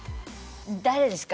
誰ですか？